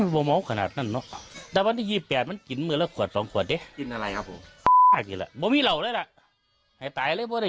ไม่ม้าวขนาดนั้นน่ะแต่วันที่ยี่แปดมันกินเมื่อละขวดสองขวดดิ